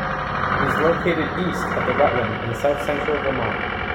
It is located east of Rutland in south-central Vermont.